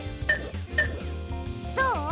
どう？